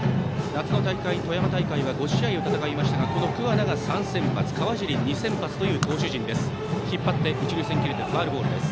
夏の大会、富山大会は５試合を戦いましたが桑名が３先発川尻が２先発という投手陣です。